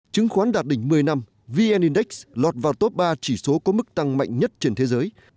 chứng khoán đạt đỉnh một mươi năm vn index lọt vào top ba chỉ số có mức tăng mạnh nhất trên thế giới